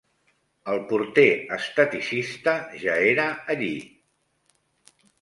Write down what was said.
El porter-esteticista ja era allí.